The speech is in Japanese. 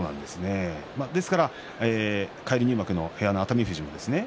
ですから返り入幕の部屋の熱海富士